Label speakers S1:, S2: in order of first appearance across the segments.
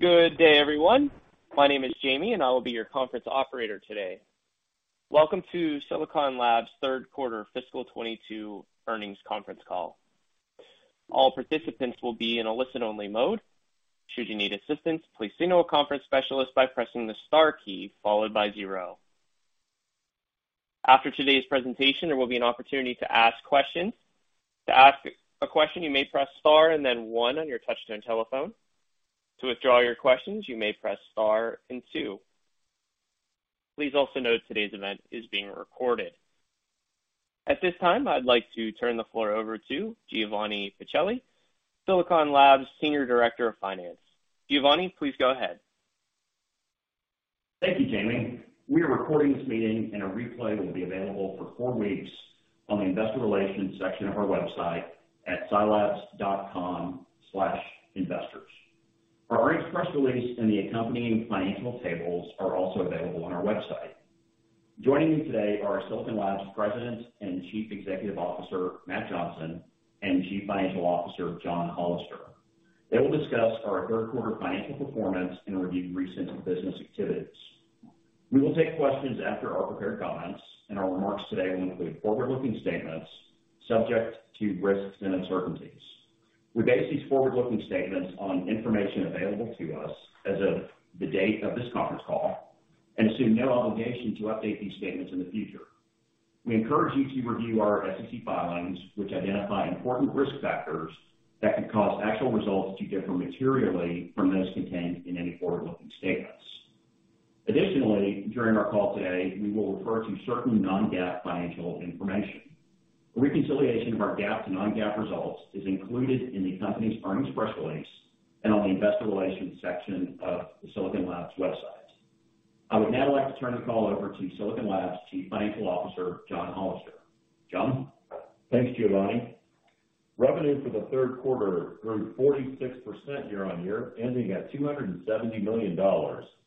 S1: Good day, everyone. My name is Jamie, and I will be your conference operator today. Welcome to Silicon Labs' third quarter fiscal 2022 earnings conference call. All participants will be in a listen-only mode. Should you need assistance, please signal a conference specialist by pressing the star key followed by zero. After today's presentation, there will be an opportunity to ask questions. To ask a question, you may press star and then one on your touchtone telephone. To withdraw your questions, you may press star and two. Please also note today's event is being recorded. At this time, I'd like to turn the floor over to Giovanni Pacelli, Silicon Labs Senior Director of Finance. Giovanni, please go ahead.
S2: Thank you, Jamie. We are recording this meeting and a replay will be available for four weeks on the investor relations section of our website at silabs.com/investors. Our earnings press release and the accompanying financial tables are also available on our website. Joining me today are Silicon Labs President and Chief Executive Officer, Matt Johnson, and Chief Financial Officer, John Hollister. They will discuss our third quarter financial performance and review recent business activities. We will take questions after our prepared comments, and our remarks today will include forward-looking statements subject to risks and uncertainties. We base these forward-looking statements on information available to us as of the date of this conference call and assume no obligation to update these statements in the future. We encourage you to review our SEC filings, which identify important risk factors that could cause actual results to differ materially from those contained in any forward-looking statements. Additionally, during our call today, we will refer to certain non-GAAP financial information. A reconciliation of our GAAP to non-GAAP results is included in the company's earnings press release and on the investor relations section of the Silicon Labs website. I would now like to turn the call over to Silicon Labs' Chief Financial Officer, John Hollister. John?
S3: Thanks, Giovanni. Revenue for the third quarter grew 46% year-over-year, ending at $270 million,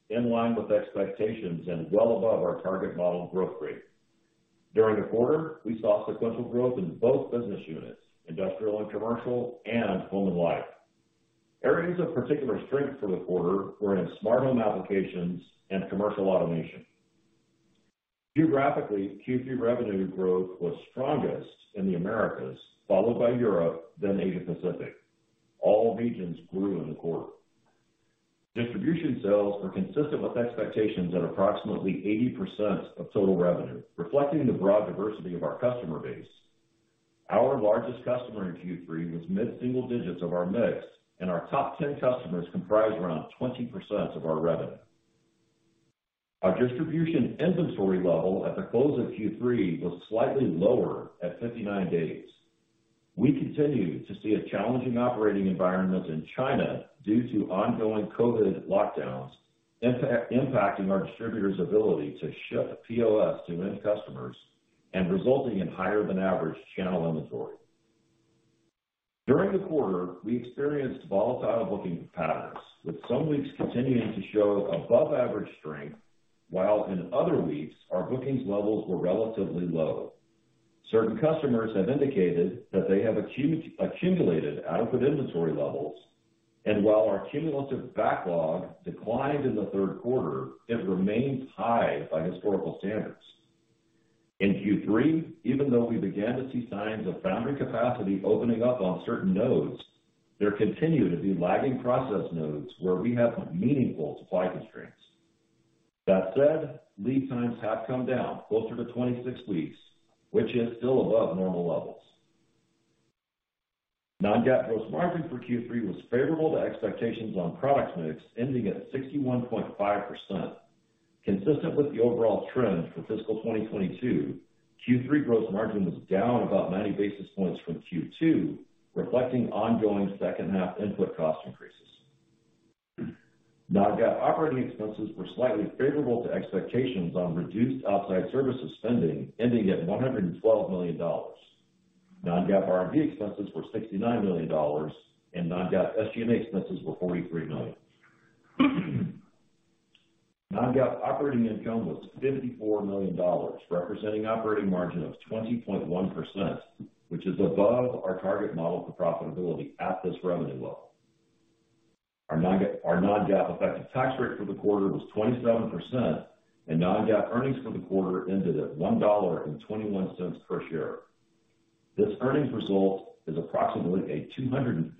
S3: in line with expectations and well above our target model growth rate. During the quarter, we saw sequential growth in both business units, industrial and commercial, and home and life. Areas of particular strength for the quarter were in smart home applications and commercial automation. Geographically, Q3 revenue growth was strongest in the Americas, followed by Europe, then Asia Pacific. All regions grew in the quarter. Distribution sales were consistent with expectations at approximately 80% of total revenue, reflecting the broad diversity of our customer base. Our largest customer in Q3 was mid-single digits of our mix, and our top ten customers comprised around 20% of our revenue. Our distribution inventory level at the close of Q3 was slightly lower at 59 days. We continue to see a challenging operating environment in China due to ongoing COVID lockdowns, impacting our distributors' ability to ship POS to end customers and resulting in higher than average channel inventory. During the quarter, we experienced volatile booking patterns, with some weeks continuing to show above average strength, while in other weeks our bookings levels were relatively low. Certain customers have indicated that they have accumulated adequate inventory levels, and while our cumulative backlog declined in the third quarter, it remains high by historical standards. In Q3, even though we began to see signs of foundry capacity opening up on certain nodes, there continue to be lagging process nodes where we have meaningful supply constraints. That said, lead times have come down closer to 26 weeks, which is still above normal levels. Non-GAAP gross margin for Q3 was favorable to expectations on product mix ending at 61.5%. Consistent with the overall trend for fiscal 2022, Q3 gross margin was down about 90 basis points from Q2, reflecting ongoing second half input cost increases. Non-GAAP operating expenses were slightly favorable to expectations on reduced outside services spending, ending at $112 million. Non-GAAP R&D expenses were $69 million, and non-GAAP SG&A expenses were $43 million. Non-GAAP operating income was $54 million, representing operating margin of 20.1%, which is above our target model for profitability at this revenue level. Our non-GAAP effective tax rate for the quarter was 27%, and non-GAAP earnings for the quarter ended at $1.21 per share. This earnings result is approximately a 250%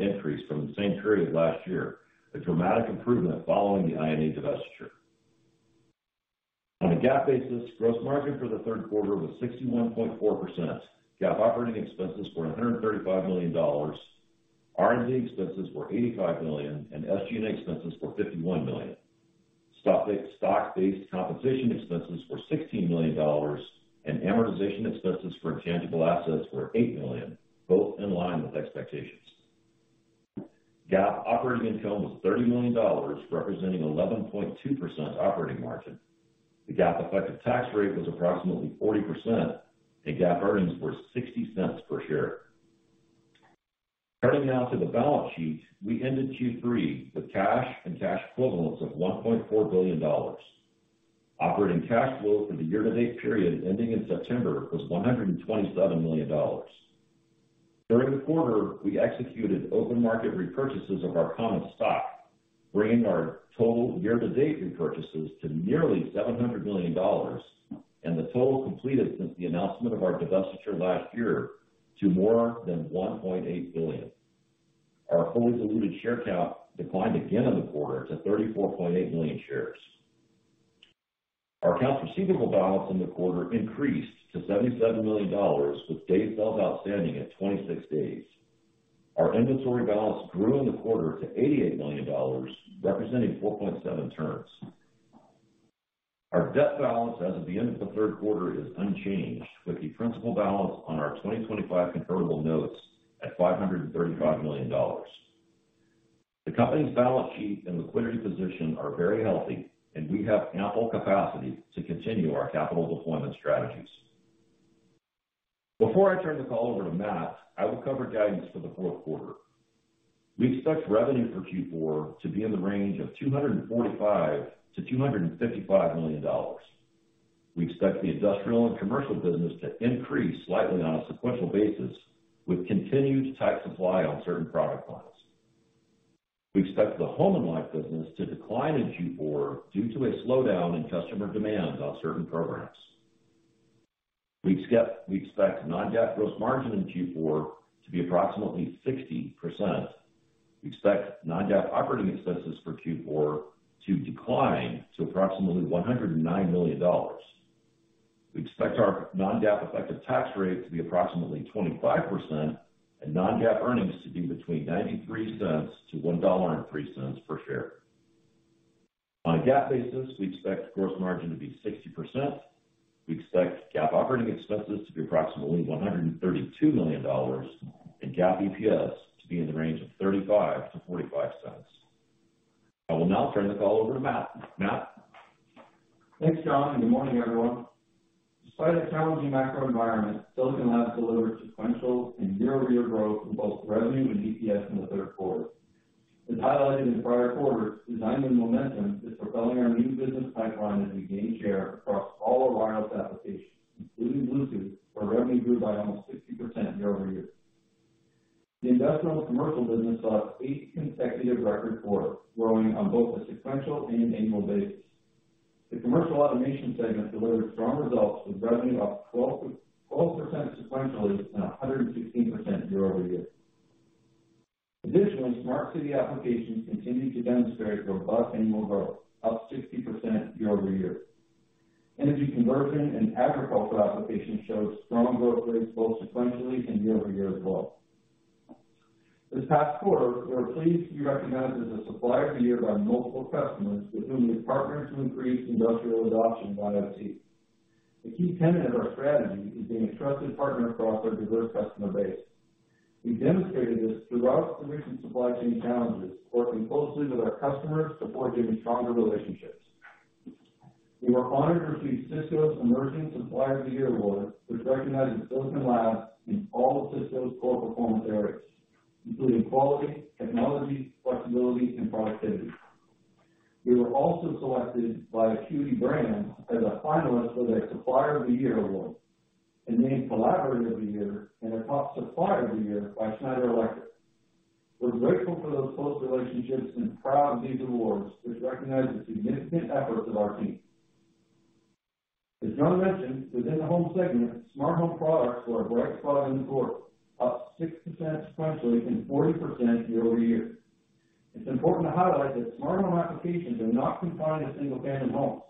S3: increase from the same period last year, a dramatic improvement following the I&A divestiture. On a GAAP basis, gross margin for the third quarter was 61.4%. GAAP operating expenses were $135 million, R&D expenses were $85 million, and SG&A expenses were $51 million. Stock-based compensation expenses were $16 million, and amortization expenses for intangible assets were $8 million, both in line with expectations. GAAP operating income was $30 million, representing 11.2% operating margin. The GAAP effective tax rate was approximately 40%, and GAAP earnings were $0.60 per share. Turning now to the balance sheet, we ended Q3 with cash and cash equivalents of $1.4 billion. Operating cash flow for the year-to-date period ending in September was $127 million. During the quarter, we executed open market repurchases of our common stock, bringing our total year-to-date repurchases to nearly $700 million, and the total completed since the announcement of our divestiture last year to more than $1.8 billion. Our fully diluted share count declined again in the quarter to 34.8 million shares. Our accounts receivable balance in the quarter increased to $77 million, with days sales outstanding at 26 days. Our inventory balance grew in the quarter to $88 million, representing 4.7 turns. Our debt balance as of the end of the third quarter is unchanged, with the principal balance on our 2025 convertible notes at $535 million. The company's balance sheet and liquidity position are very healthy, and we have ample capacity to continue our capital deployment strategies. Before I turn the call over to Matt, I will cover guidance for the fourth quarter. We expect revenue for Q4 to be in the range of $245 million-$255 million. We expect the industrial and commercial business to increase slightly on a sequential basis, with continued tight supply on certain product lines. We expect the home and life business to decline in Q4 due to a slowdown in customer demand on certain programs. We expect non-GAAP gross margin in Q4 to be approximately 60%. We expect non-GAAP operating expenses for Q4 to decline to approximately $109 million. We expect our non-GAAP effective tax rate to be approximately 25% and non-GAAP earnings to be between $0.93-$1.03 per share. On a GAAP basis, we expect gross margin to be 60%. We expect GAAP operating expenses to be approximately $132 million, and GAAP EPS to be in the range of $0.35-$0.45. I will now turn the call over to Matt. Matt?
S4: Thanks, John, and good morning, everyone. Despite a challenging macro environment, Silicon Labs delivered sequential and year-over-year growth in both revenue and EPS in the third quarter. As highlighted in the prior quarter, design and momentum is propelling our new business pipeline as we gain share across all our wireless applications, including Bluetooth, where revenue grew by almost 60% year over year. The industrial and commercial business saw its eighth consecutive record quarter, growing on both a sequential and annual basis. The commercial automation segment delivered strong results, with revenue up 12% sequentially and 116% year over year. Additionally, smart city applications continued to demonstrate robust annual growth, up 60% year over year. Energy conversion and agriculture applications showed strong growth rates, both sequentially and year over year as well. This past quarter, we were pleased to be recognized as a Supplier of the Year by multiple customers with whom we have partnered to increase industrial adoption of IoT. A key tenet of our strategy is being a trusted partner across our diverse customer base. We demonstrated this throughout the recent supply chain challenges, working closely with our customers to forge even stronger relationships. We were honored to receive Cisco's Emerging Supplier of the Year award, which recognizes Silicon Labs in all of Cisco's core performance areas, including quality, technology, flexibility, and productivity. We were also selected by Acuity Brands as a finalist for their Supplier of the Year award and named Collaborator of the Year and a top Supplier of the Year by Schneider Electric. We're grateful for those close relationships and proud of these awards, which recognize the significant efforts of our team. As John mentioned, within the home segment, smart home products were a bright spot in the quarter, up 6% sequentially and 40% year-over-year. It's important to highlight that smart home applications are not confined to single-family homes.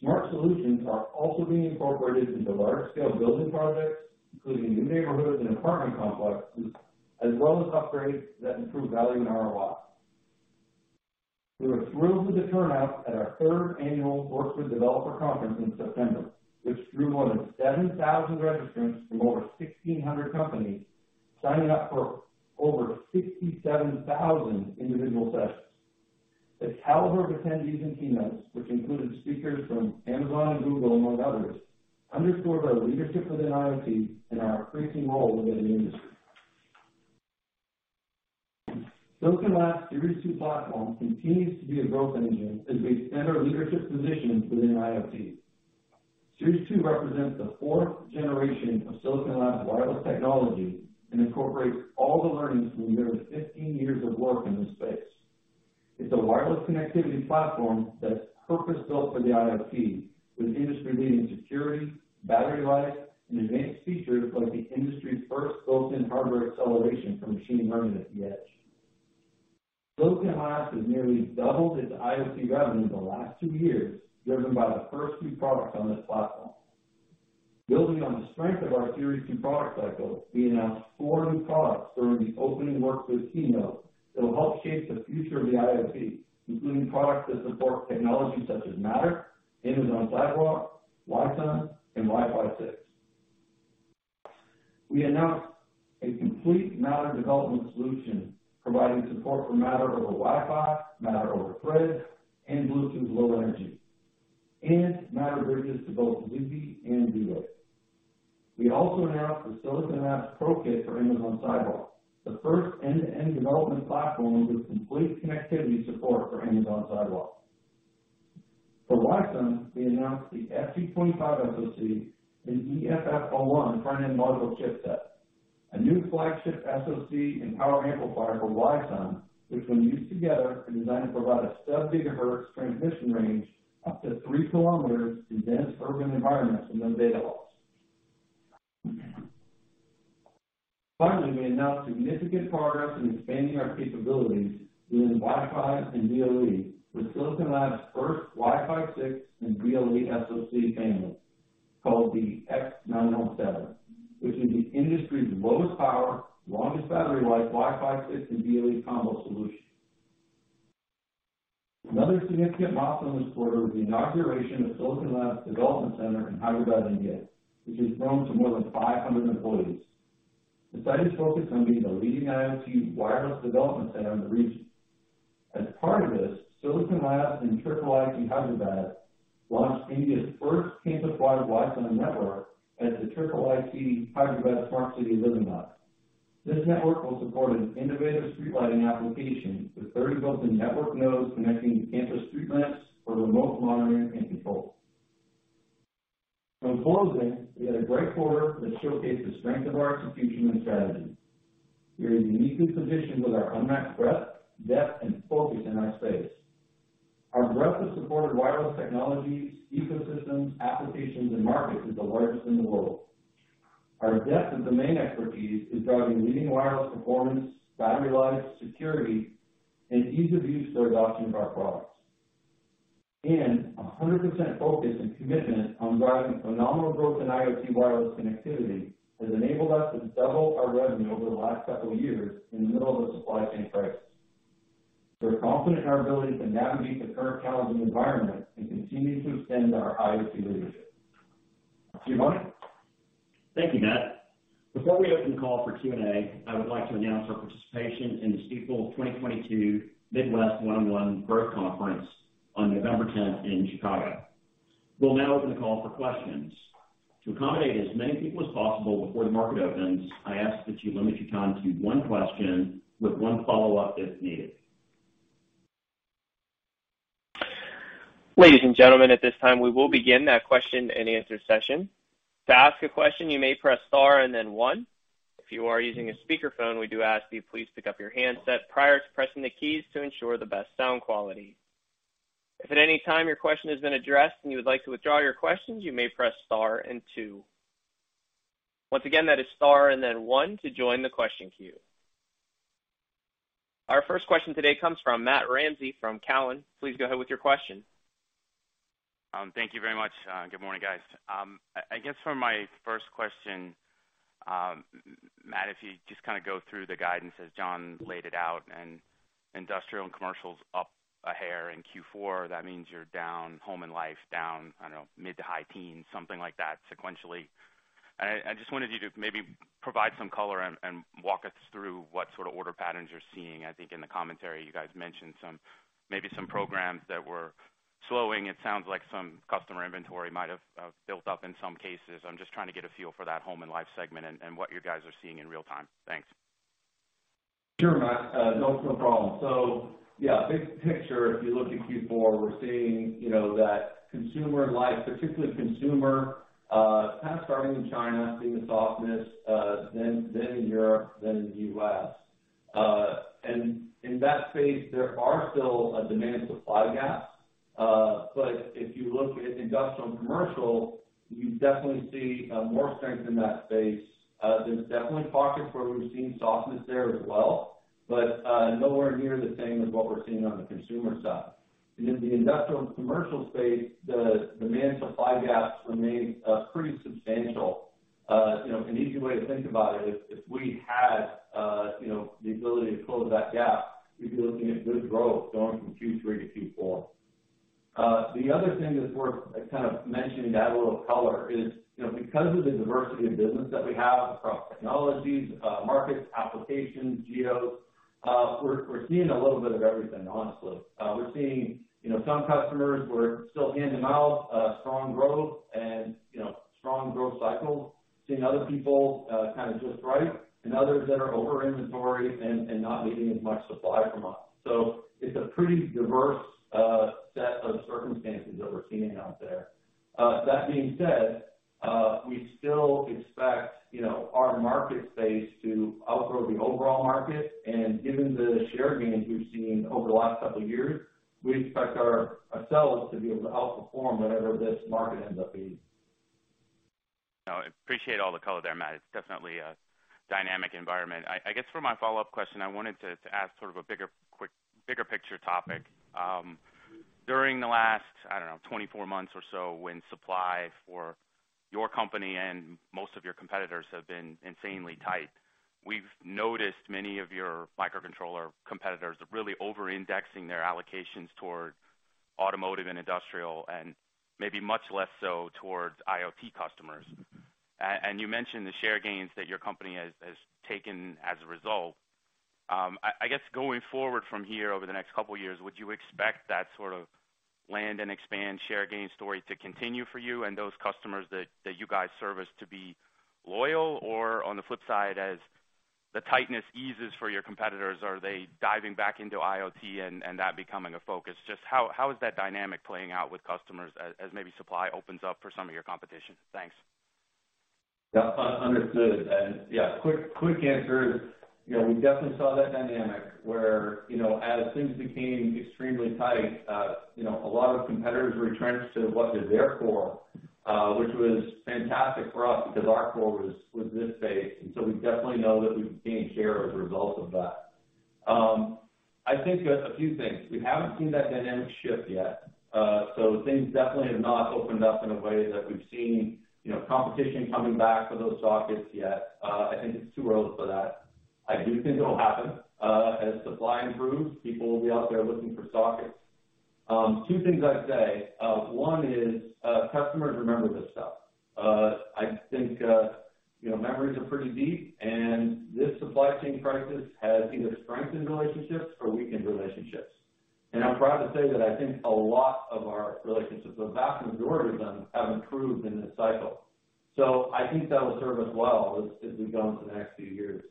S4: Smart solutions are also being incorporated into large-scale building projects, including new neighborhoods and apartment complexes, as well as upgrades that improve value and ROI. We were thrilled with the turnout at our third annual Works With developer conference in September, which drew more than 7,000 registrants from over 1,600 companies, signing up for over 67,000 individual sessions. The caliber of attendees and keynotes, which included speakers from Amazon and Google, among others, underscores our leadership within IoT and our increasing role within the industry. Silicon Labs' Series 2 platform continues to be a growth engine as we extend our leadership position within IoT.SiWx917 As part of this, Silicon Labs and IIIT Hyderabad launched India's first campus-wide Wi-SUN network at the IIIT Hyderabad Smart City Living Lab. This network will support an innovative street lighting application with 30 built-in network nodes connecting to campus street lamps for remote monitoring and control. In closing, we had a great quarter that showcased the strength of our execution and strategy. We are uniquely positioned with our unmatched breadth, depth, and focus in our space. Our breadth of supported wireless technologies, ecosystems, applications, and markets is the largest in the world. Our depth of domain expertise is driving leading wireless performance, battery life, security, and ease of use for adoption of our products. 100% focus and commitment on driving phenomenal growth in IoT wireless connectivity has enabled us to double our revenue over the last couple of years in the middle of a supply chain crisis. We're confident in our ability to navigate the current challenging environment and continue to extend our IoT leadership. To you, Mike.
S2: Thank you, Matt. Before we open the call for Q&A, I would like to announce our participation in the Stifel 2022 Midwest one-on-one growth conference on November tenth in Chicago. We'll now open the call for questions. To accommodate as many people as possible before the market opens, I ask that you limit your time to one question with one follow-up if needed.
S1: Ladies and gentlemen, at this time we will begin that question-and-answer session. To ask a question, you may press star and then one. If you are using a speakerphone, we do ask that you please pick up your handset prior to pressing the keys to ensure the best sound quality. If at any time your question has been addressed and you would like to withdraw your questions, you may press star and two. Once again, that is star and then one to join the question queue. Our first question today comes from Matt Ramsay from Cowen. Please go ahead with your question.
S5: Thank you very much. Good morning, guys. I guess for my first question, Matt, if you just kind of go through the guidance as John laid it out and Industrial and Commercial's up a hair in Q4, that means you're down, Home and Life down, I don't know, mid to high teens, something like that, sequentially. I just wanted you to maybe provide some color and walk us through what sort of order patterns you're seeing. I think in the commentary you guys mentioned some, maybe some programs that were slowing. It sounds like some customer inventory might have built up in some cases. I'm just trying to get a feel for that Home and Life segment and what you guys are seeing in real time. Thanks.
S4: Sure, Matt. No problem. Yeah, big picture, if you look at Q4, we're seeing, you know, that consumer IoT, particularly consumer, kind of starting in China, seeing the softness, then in Europe, then in the US. In that space, there are still demand supply gaps. But if you look at industrial and commercial, you definitely see more strength in that space. There's definitely pockets where we've seen softness there as well, but nowhere near the same as what we're seeing on the consumer side. In the industrial and commercial space, the demand supply gaps remain pretty substantial. You know, an easy way to think about it is if we had, you know, the ability to close that gap, we'd be looking at good growth going from Q3-Q4. The other thing that's worth kind of mentioning to add a little color is, you know, because of the diversity of business that we have across technologies, markets, applications, geos, we're seeing a little bit of everything, honestly. We're seeing, you know, some customers who are still hand-to-mouth, strong growth and, you know, strong growth cycles, seeing other people, kind of just right, and others that are over-inventoried and not needing as much supply from us. So it's a pretty diverse set of circumstances that we're seeing out there. That being said, we still expect, you know, our market space to outgrow the overall market. Given the share gains we've seen over the last couple of years, we expect ourselves to be able to outperform whatever this market ends up being.
S5: No, I appreciate all the color there, Matt. It's definitely a dynamic environment. I guess for my follow-up question, I wanted to ask sort of a bigger picture topic. During the last, I don't know, 24 months or so when supply for your company and most of your competitors have been insanely tight, we've noticed many of your microcontroller competitors are really over-indexing their allocations toward automotive and industrial and maybe much less so towards IoT customers. You mentioned the share gains that your company has taken as a result. I guess going forward from here over the next couple of years, would you expect that sort of land and expand share gain story to continue for you and those customers that you guys service to be loyal? Or on the flip side, as the tightness eases for your competitors. Are they diving back into IoT and that becoming a focus? Just how is that dynamic playing out with customers as maybe supply opens up for some of your competition? Thanks.
S4: Understood. Yeah, quick answer is, you know, we definitely saw that dynamic where, you know, as things became extremely tight, you know, a lot of competitors returned to what they're there for, which was fantastic for us because our core was this space. We definitely know that we've gained share as a result of that. I think a few things. We haven't seen that dynamic shift yet. Things definitely have not opened up in a way that we've seen, you know, competition coming back for those sockets yet. I think it's too early for that. I do think it'll happen, as supply improves, people will be out there looking for sockets. Two things I'd say, one is, customers remember this stuff. I think, you know, memories are pretty deep, and this supply chain crisis has either strengthened relationships or weakened relationships. I'm proud to say that I think a lot of our relationships, the vast majority of them have improved in this cycle. I think that will serve us well as we go into the next few years.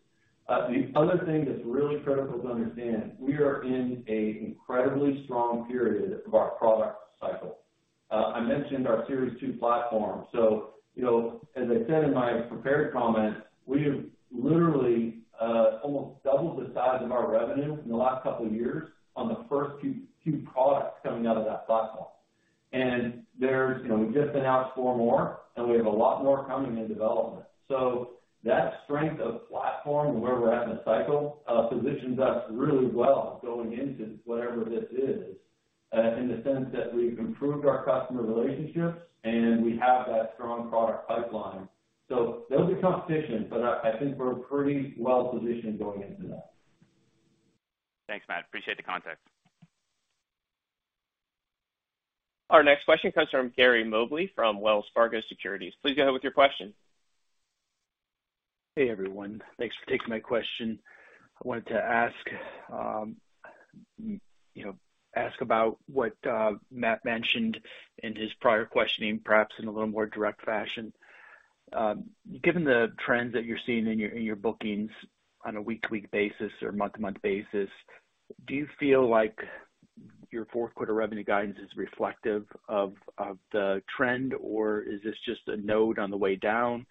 S4: The other thing that's really critical to understand, we are in an incredibly strong period of our product cycle. I mentioned our Series 2 platform. As I said in my prepared comments, we have literally almost doubled the size of our revenue in the last couple of years on the first two products coming out of that platform. There's, you know, we've just put out four more, and we have a lot more coming in development. That strength of platform and where we're at in the cycle positions us really well going into whatever this is, in the sense that we've improved our customer relationships, and we have that strong product pipeline. There'll be competition, but I think we're pretty well positioned going into that.
S5: Thanks, Matt. Appreciate the context.
S1: Our next question comes from Gary Mobley from Wells Fargo Securities. Please go ahead with your question.
S6: Hey, everyone. Thanks for taking my question. I wanted to ask you know about what Matt mentioned in his prior questioning, perhaps in a little more direct fashion. Given the trends that you're seeing in your bookings on a week-to-week basis or month-to-month basis, do you feel like your fourth quarter revenue guidance is reflective of the trend, or is this just a node on the way down?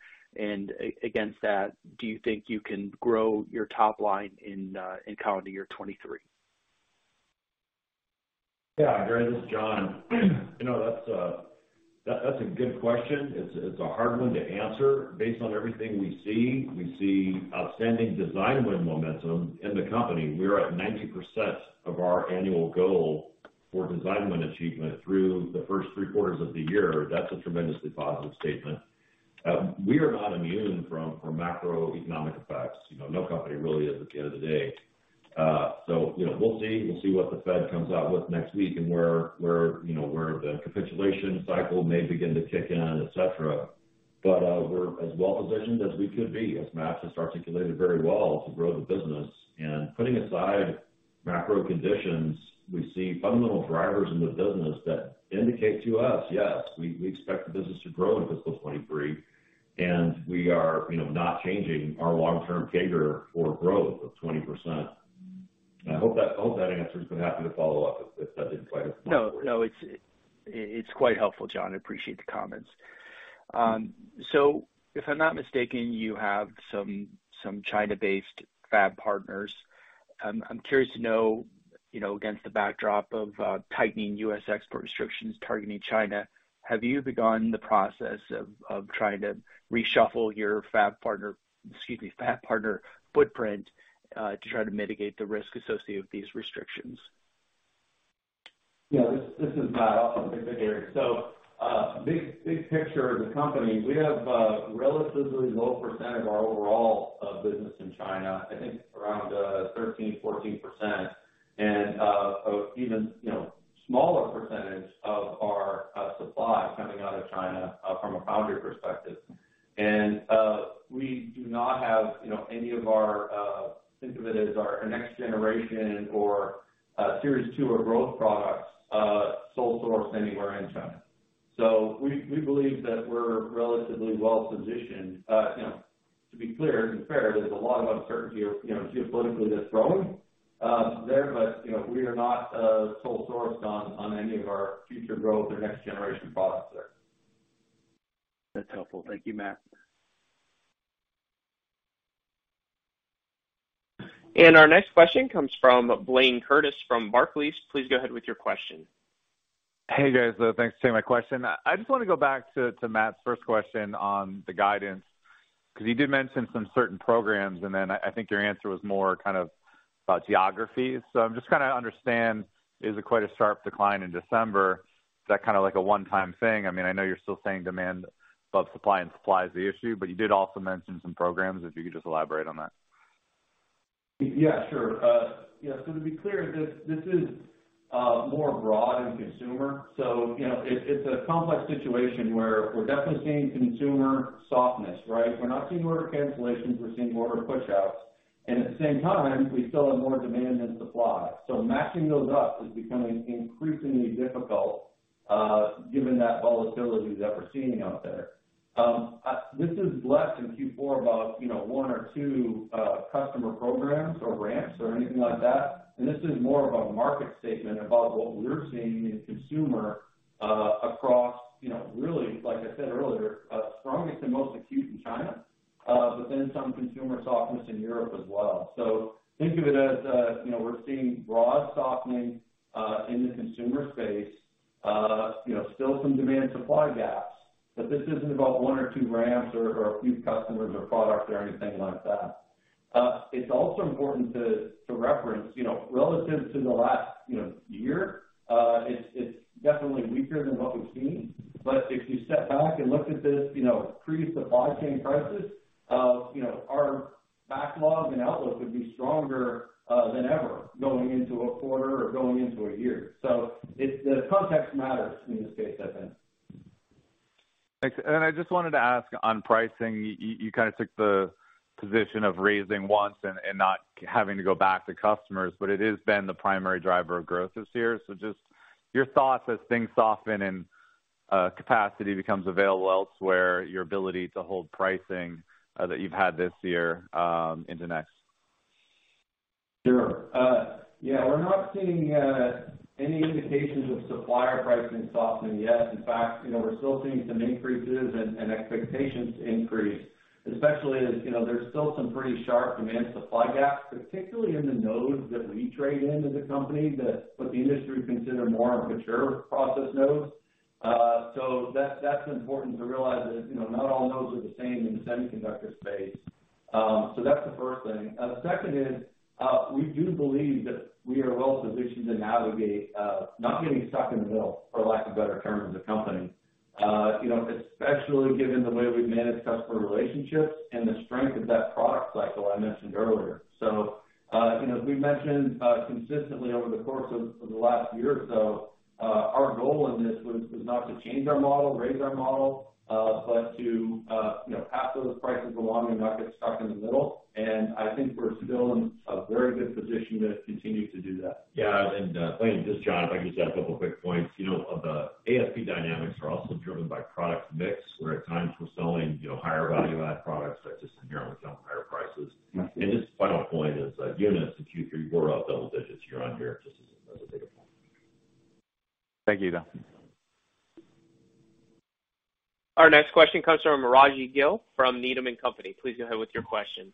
S6: Against that, do you think you can grow your top line in calendar year 2023?
S3: Yeah. Gary, this is John. You know, that's a good question. It's a hard one to answer based on everything we see. We see outstanding design win momentum in the company. We are at 90% of our annual goal for design win achievement through the first three quarters of the year. That's a tremendously positive statement. We are not immune from macroeconomic effects. You know, no company really is at the end of the day. So, you know, we'll see. We'll see what the Fed comes out with next week and where, you know, where the capitulation cycle may begin to kick in, et cetera. We're as well positioned as we could be, as Matt just articulated very well, to grow the business. Putting aside macro conditions, we see fundamental drivers in the business that indicate to us, yes, we expect the business to grow in fiscal 2023, and we are, you know, not changing our long-term CAGR for growth of 20%. I hope that answers, but happy to follow up if that didn't quite.
S6: No, it's quite helpful, John. I appreciate the comments. So if I'm not mistaken, you have some China-based fab partners. I'm curious to know, you know, against the backdrop of tightening U.S. export restrictions targeting China, have you begun the process of trying to reshuffle your fab partner, excuse me, fab partner footprint to try to mitigate the risk associated with these restrictions?
S4: Yeah. This is Matt. I'll take that, Gary. Big picture of the company, we have a relatively low % of our overall business in China, I think around 13%-14%. Even, you know, smaller % of our supply coming out of China from a foundry perspective. We do not have, you know, any of our, think of it as our next generation or Series two or growth products sole sourced anywhere in China. We believe that we're relatively well positioned. You know, to be clear and fair, there's a lot of uncertainty geopolitically that's growing there. You know, we are not sole sourced on any of our future growth or next generation products there.
S6: That's helpful. Thank you, Matt.
S1: Our next question comes from Blayne Curtis from Barclays. Please go ahead with your question.
S7: Hey, guys. Thanks for taking my question. I just wanna go back to Matt's first question on the guidance, 'cause you did mention some certain programs, and then I think your answer was more kind of about geographies. So I'm just trying to understand, is it quite a sharp decline in December? Is that kind of like a one-time thing? I mean, I know you're still saying demand above supply and supply is the issue, but you did also mention some programs, if you could just elaborate on that.
S4: Yeah, sure. To be clear, this is more broad in consumer. You know, it's a complex situation where we're definitely seeing consumer softness, right? We're not seeing order cancellations, we're seeing order pushouts. At the same time, we still have more demand than supply. Matching those up is becoming increasingly difficult, given that volatility that we're seeing out there. This is less in Q4 about, you know, one or two customer programs or ramps or anything like that. This is more of a market statement about what we're seeing in consumer, across, you know, really, like I said earlier, strongest and most acute in China, but then some consumer softness in Europe as well. Think of it as, you know, we're seeing broad softening in the consumer space, you know, still some demand supply gaps, but this isn't about one or two ramps or a few customers or products or anything like that. It's also important to reference, you know, relative to the last, you know, year, it's definitely weaker than what we've seen. If you step back and look at this, you know, pre-supply chain crisis, you know, our backlog and outlook would be stronger than ever going into a quarter or going into a year. It's the context matters in this case, I think.
S7: I just wanted to ask on pricing, you kind of took the position of raising once and not having to go back to customers, but it has been the primary driver of growth this year. Just your thoughts as things soften and capacity becomes available elsewhere, your ability to hold pricing that you've had this year into next.
S4: Sure. Yeah, we're not seeing any indications of supplier pricing softening yet. In fact, you know, we're still seeing some increases and expectations to increase, especially as, you know, there's still some pretty sharp demand supply gaps, particularly in the nodes that we trade in as a company that what the industry would consider more mature process nodes. So that's important to realize that, you know, not all nodes are the same in the semiconductor space. So that's the first thing. The second is, we do believe that we are well positioned to navigate not getting stuck in the middle, for lack of a better term as a company. You know, especially given the way we manage customer relationships and the strength of that product cycle I mentioned earlier. You know, as we've mentioned consistently over the course of the last year or so, our goal in this was not to change our model, raise our model, but to you know, pass those prices along and not get stuck in the middle. I think we're still in a very good position to continue to do that.
S3: Yeah. Just John, if I could just add a couple of quick points. You know, the ASP dynamics are also driven by product mix, where at times we're selling, you know, higher value add products that just inherently come with higher prices.
S4: Mm-hmm.
S3: Just final point is that units in Q3 were up double digits year-over-year. Just as another data point.
S7: Thank you, though.
S1: Our next question comes from Rajvinder Gill from Needham & Company. Please go ahead with your question.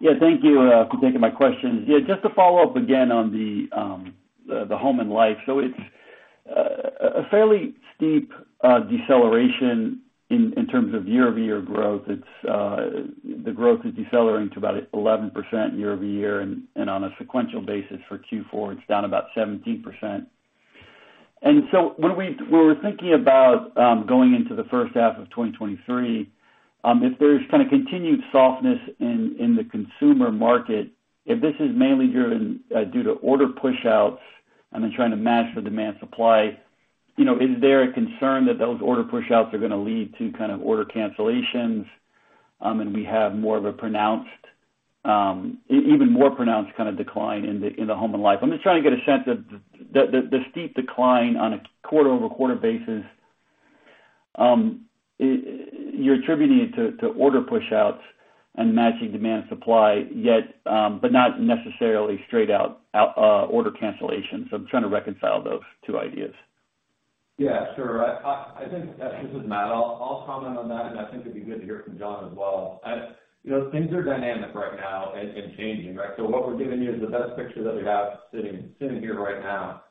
S8: Yeah, thank you for taking my question. Yeah, just to follow up again on the home and life. It's a fairly steep deceleration in terms of year-over-year growth. It's the growth is decelerating to about 11% year-over-year. On a sequential basis for Q4, it's down about 17%. When we're thinking about going into the first half of 2023, if there's kinda continued softness in the consumer market, if this is mainly driven due to order push-outs and then trying to match the demand supply, you know, is there a concern that those order push-outs are gonna lead to kind of order cancellations, and we have more of a pronounced, even more pronounced kinda decline in the home and life? I'm just trying to get a sense of the steep decline on a quarter-over-quarter basis. You're attributing it to order push-outs and matching demand to supply yet, but not necessarily outright order cancellations. I'm trying to reconcile those two ideas.
S4: Yeah, sure. I think this is Matt. I'll comment on that, and I think it'd be good to hear from John as well. You know, things are dynamic right now and changing, right? What we're giving you is the best picture that we have sitting here right now.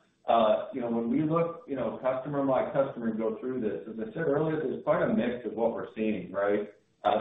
S4: You know, when we look, you know, customer by customer and go through this, as I said earlier, there's quite a mix of what we're seeing, right?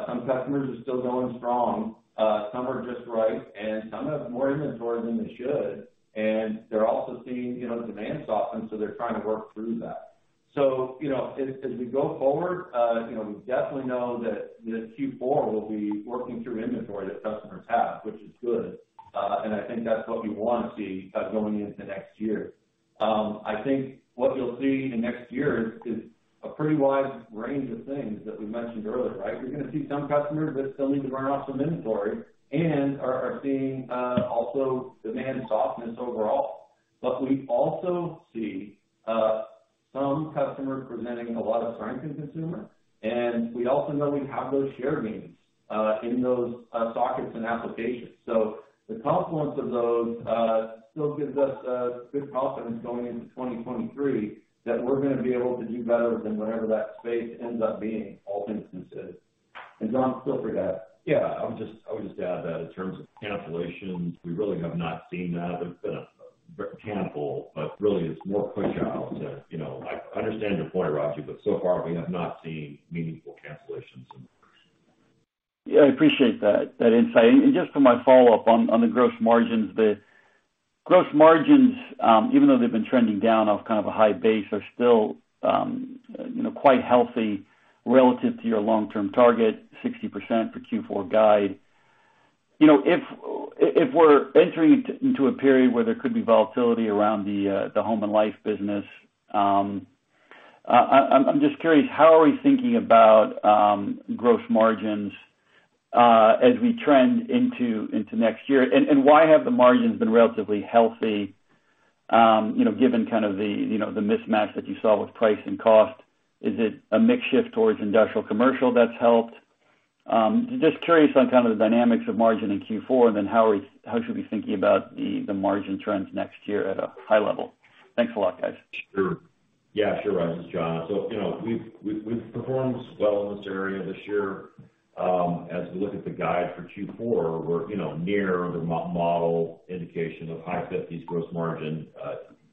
S4: Some customers are still going strong, some are just right, and some have more inventory than they should, and they're also seeing, you know, demand soften, so they're trying to work through that. You know, as we go forward, you know, we definitely know that Q4 will be working through inventory that customers have, which is good. I think that's what we wanna see going into next year. I think what you'll see in next year is a pretty wide range of things that we mentioned earlier, right? You're gonna see some customers that still need to burn off some inventory and are seeing also demand softness overall. We also see some customers presenting a lot of strength in consumer, and we also know we have those share gains in those sockets and applications. The confluence of those still gives us good confidence going into 2023 that we're gonna be able to do better than whatever that space ends up being, all instances. John, feel free to add.
S3: I would just add that in terms of cancellations, we really have not seen that. There's been a handful, but really it's more pushouts, you know. I understand your point, Meraj, but so far we have not seen meaningful cancellations in the works.
S8: Yeah, I appreciate that insight. Just for my follow-up on the gross margins. The gross margins, even though they've been trending down off kind of a high base, are still, you know, quite healthy relative to your long-term target, 60% for Q4 guide. You know, if we're entering into a period where there could be volatility around the home and life business, I'm just curious, how are we thinking about gross margins as we trend into next year? Why have the margins been relatively healthy, you know, given kind of the mismatch that you saw with price and cost? Is it a mix shift towards industrial commercial that's helped? Just curious on kind of the dynamics of margin in Q4, and then how should we be thinking about the margin trends next year at a high level? Thanks a lot, guys.
S3: Sure. Yeah, sure. This is John. You know, we've performed well in this area this year. As we look at the guide for Q4, we're, you know, near the model indication of high 50s% gross margin,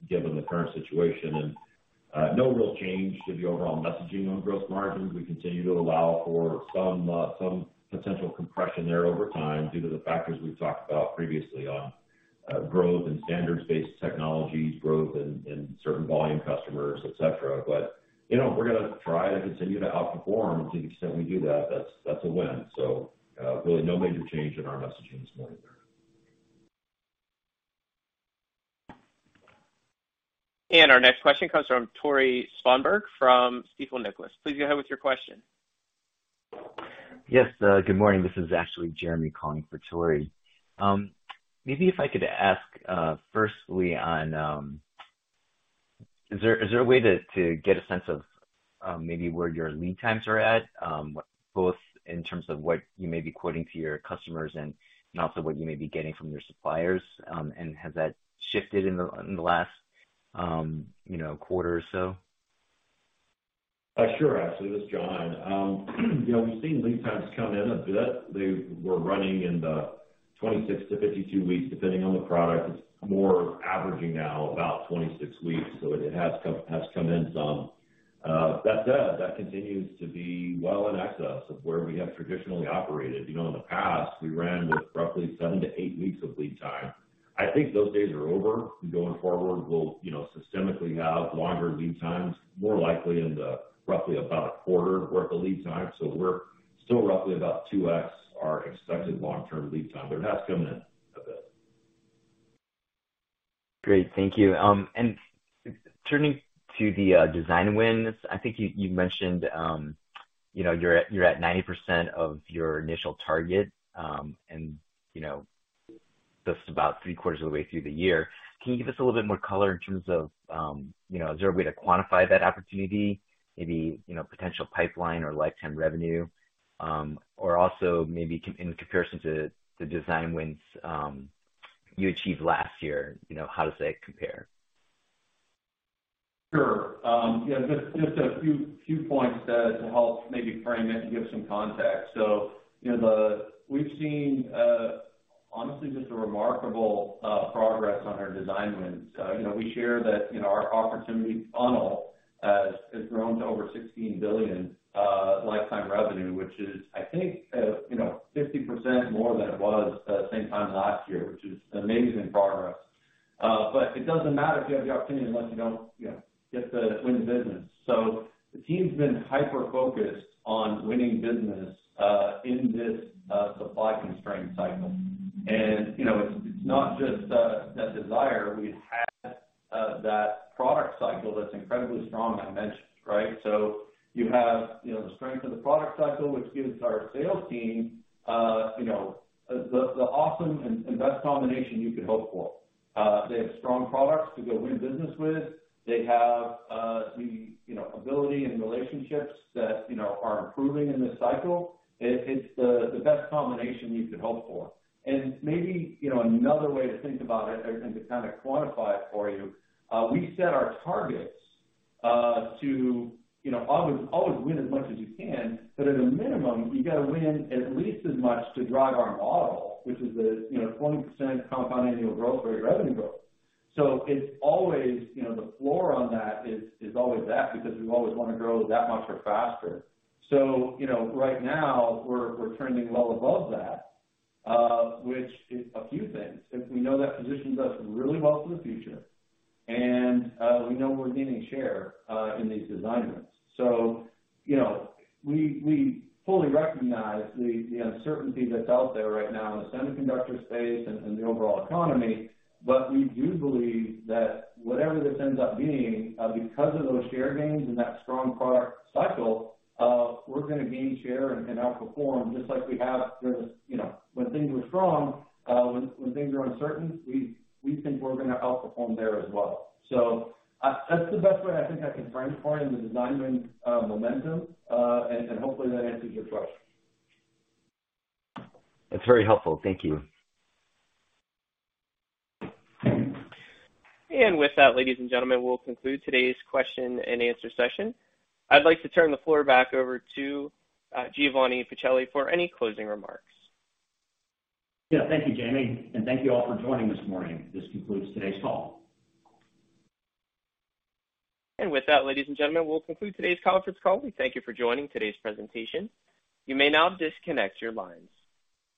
S3: given the current situation. No real change to the overall messaging on gross margins. We continue to allow for some potential compression there over time due to the factors we've talked about previously on growth in standards-based technologies, growth in certain volume customers, et cetera. You know, we're gonna try to continue to outperform. To the extent we do that's a win. Really no major change in our messaging this morning there.
S1: Our next question comes from Tore Svanberg, from Stifel, Nicolaus. Please go ahead with your question.
S9: Yes. Good morning. This is actually Jeremy calling for Tore. Maybe if I could ask, firstly on, is there a way to get a sense of, maybe where your lead times are at, both in terms of what you may be quoting to your customers and also what you may be getting from your suppliers? Has that shifted in the last, you know, quarter or so?
S3: Actually, this is John. You know, we've seen lead times come in a bit. They were running in the 26-52 weeks, depending on the product. It's more averaging now about 26 weeks, so it has come in some. That said, that continues to be well in excess of where we have traditionally operated. You know, in the past, we ran with roughly 7-8 weeks of lead time. I think those days are over. Going forward, we'll, you know, systemically have longer lead times, more likely in the roughly about a quarter worth of lead time. So we're still roughly about 2x our expected long-term lead time, but it has come in a bit.
S9: Great. Thank you. Turning to the design wins, I think you mentioned you know, you're at 90% of your initial target, and you know, just about three-quarters of the way through the year. Can you give us a little bit more color in terms of you know, is there a way to quantify that opportunity, maybe, you know, potential pipeline or lifetime revenue? Or also maybe in comparison to the design wins you achieved last year, you know, how does that compare?
S4: Sure. Yeah, just a few points to help maybe frame it and give some context. You know, we've seen honestly just a remarkable progress on our design wins. You know, we share that, you know, our opportunity funnel has grown to over $16 billion lifetime revenue, which is, I think, you know, 50% more than it was the same time last year, which is amazing progress. But it doesn't matter if you have the opportunity unless you don't, you know, win the business. So the team's been hyper-focused on winning business in this supply constraint cycle. You know, it's not just that desire. We have that product cycle that's incredibly strong, I mentioned, right? You have, you know, the strength of the product cycle, which gives our sales team, you know, the awesome and best combination you could hope for. They have strong products to go win business with. They have the ability and relationships that, you know, are improving in this cycle. It's the best combination you could hope for. Maybe, you know, another way to think about it and to kind of quantify it for you, we set our targets to, you know, always win as much as you can, but at a minimum, you gotta win at least as much to drive our model, which is a, you know, 20% compound annual growth rate revenue growth. It's always, you know, the floor on that is always that, because we always wanna grow that much or faster. You know, right now we're trending well above that, which is a few things. If we know that positions us really well for the future, and we know we're gaining share in these design wins. You know, we fully recognize the uncertainty that's out there right now in the semiconductor space and the overall economy. We do believe that whatever this ends up being, because of those share gains and that strong product cycle, we're gonna gain share and outperform just like we have through this, you know, when things were strong. When things are uncertain, we think we're gonna outperform there as well. That's the best way I think I can frame for you the design win, momentum. Hopefully that answers your question.
S9: That's very helpful. Thank you.
S1: With that, ladies and gentlemen, we'll conclude today's question and answer session. I'd like to turn the floor back over to Giovanni Pacelli for any closing remarks.
S2: Yeah. Thank you, Jamie. Thank you all for joining this morning. This concludes today's call.
S1: With that, ladies and gentlemen, we'll conclude today's conference call. We thank you for joining today's presentation. You may now disconnect your lines.